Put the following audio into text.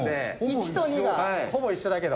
１と２がほぼ一緒だけど。